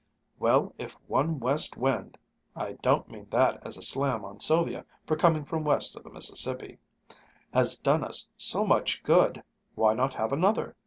"Well, if one west wind (I don't mean that as a slam on Sylvia for coming from west of the Mississippi) has done us so much good, why not have another?"